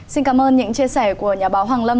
xin cảm ơn những chia sẻ của nhà báo hoàng lâm